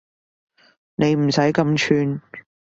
你唔使咁串